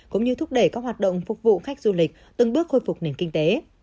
cũng như thúc đẩy các hoạt động phục vụ khách du lịch từng bước khôi phục nền kinh tế